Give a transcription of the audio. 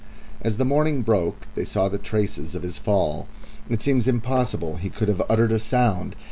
As the morning broke they saw the traces of his fall. It seems impossible he could have uttered a sound.